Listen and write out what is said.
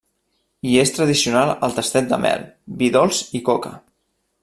Hi és tradicional el tastet de mel, vi dolç i coca.